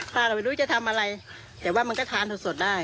ป้าก็ไม่รู้จะทำอะไรแต่ว่ามันก็ทานสดได้